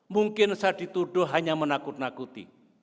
mungkin saya dituduh hanya menakut nakuti